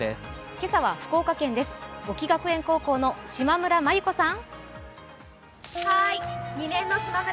今朝は福岡県です、沖学園高校の島村真由子さん。